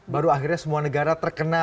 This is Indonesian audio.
baru akhirnya semua negara terkena